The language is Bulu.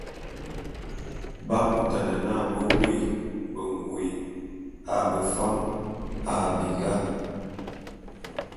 B'akutane n'a bé woé bengôé a befam a binga.